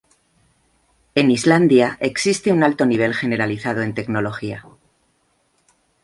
En Islandia existe un alto nivel generalizado en tecnología.